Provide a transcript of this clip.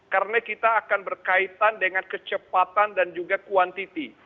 karena kita akan berkaitan dengan kecepatan dan juga kuantiti